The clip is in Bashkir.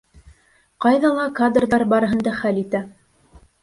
Ҡайҙа ла кадрҙар барыһын да хәл итә.